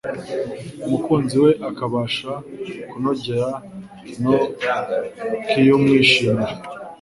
umukunzi we akabasha kunogera no kiumwishimira